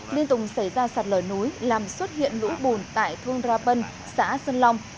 liên tục xảy ra sạt lởi núi làm xuất hiện lũ bùn tại thương ra bân xã sơn long